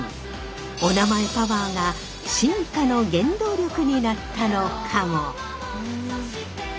おなまえパワーが進化の原動力になったのかも？